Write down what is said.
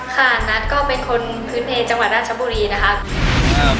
นัทก็เป็นคนพื้นเพจังหวัดราชบุรีนะคะ